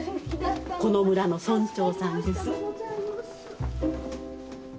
この村の村長さんです。